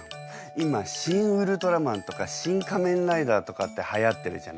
今「シン・ウルトラマン」とか「シン・仮面ライダー」とかってはやってるじゃない？